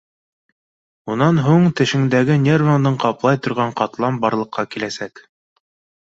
Унан һуң тешеңдәге нервыңдың ҡаплай торған ҡатлам барлыҡҡа киләсәк.